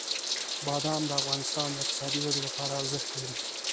بادام د افغانستان د اقتصادي ودې لپاره ارزښت لري.